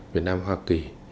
việt nam hoa kỳ